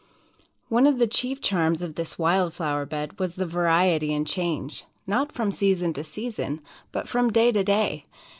One of the chief charms of this wild flower bed was the variety and change not from season to season, but from day to day.